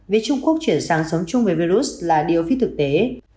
việc trung quốc chuyển sang sống chung với virus là điều phí thực tế